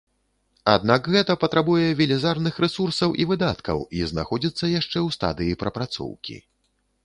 Аднак гэта патрабуе велізарных рэсурсаў і выдаткаў і знаходзіцца яшчэ ў стадыі прапрацоўкі.